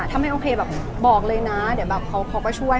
ถ้าไม่โอเคแบบบอกเลยนะเดี๋ยวแบบเขาก็ช่วย